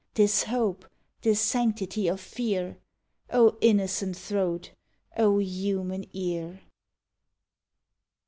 This hope, this sanctity of fear? O innocent throat! O human ear!